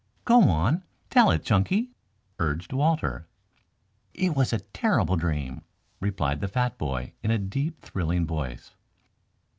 "Go on, tell it, Chunky," urged Walter. "It was a terrible dream," replied the fat boy in a deep, thrilling voice.